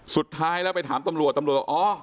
สุดท้ายแล้วไปถามตำรวจตำรวจอ๋อ